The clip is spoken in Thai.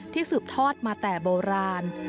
สืบทอดมาแต่โบราณ